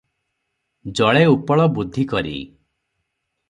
ଜଳେ ଉପଳ ବୁଦ୍ଧି କରି ।